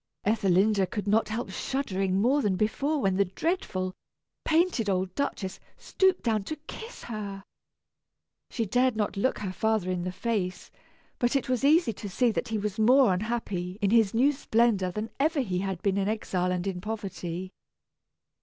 Ethelinda could not help shuddering more than before when the dreadful, painted old Duchess stooped down to kiss her. She dared not look her father in the face, but it was easy to see that he was more unhappy in his new splendor than ever he had been in exile and in poverty.